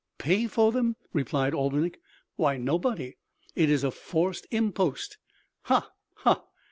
"Pay for them!" replied Albinik. "Why, nobody. It is a forced impost." "Ha! Ha!"